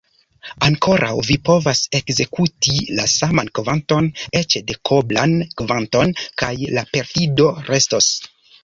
Ankoraŭ vi povas ekzekuti la saman kvanton, eĉ dekoblan kvanton, kaj la perfido restos.